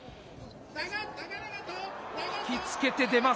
引き付けて出ます。